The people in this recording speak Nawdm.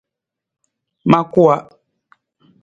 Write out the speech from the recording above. Ma kuwa.